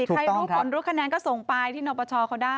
ใครรู้ผลรู้คะแนนก็ส่งไปที่นปชเขาได้